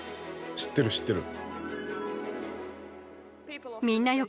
知ってる知ってる。